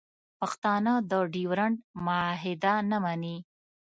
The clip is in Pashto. پښتانه د ډیورنډ معاهده نه مني